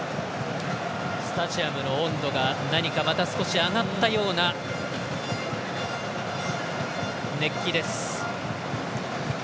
スタジアムの温度が何かまた少し上がったような熱気です。